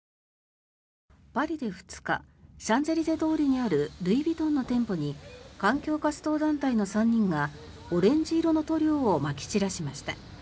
パリで２日シャンゼリゼ通りにあるルイ・ヴィトンの店舗に環境活動団体の３人がオレンジ色の塗料をまき散らしました。